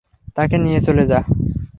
তাঁকে নিয়ে চলে যা।